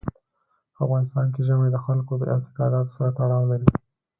په افغانستان کې ژمی د خلکو د اعتقاداتو سره تړاو لري.